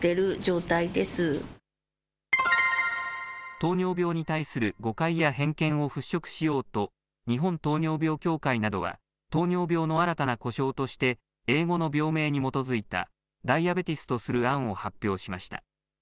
糖尿病に対する誤解や偏見を払拭しようと、日本糖尿病協会などは、糖尿病の新たな呼称として、英語の病名に基づいたダイアベティスとする案を発表しました。